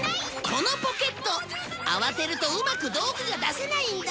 このポケット慌てるとうまく道具が出せないんだ！